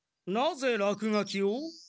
なぜらくがきを？